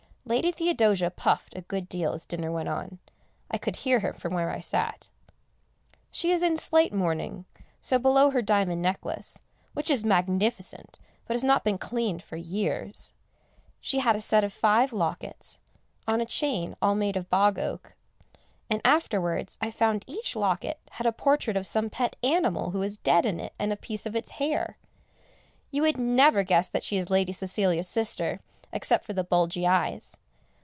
Lady Theodosia puffed a good deal as dinner went on, I could hear her from where I sat. She is in slight mourning, so below her diamond necklace which is magnificent, but has not been cleaned for years she had a set of five lockets, on a chain all made of bog oak, and afterwards I found each locket had a portrait of some pet animal who is dead in it, and a piece of its hair. You would never guess that she is Lady Cecilia's sister, except for the bulgy eyes.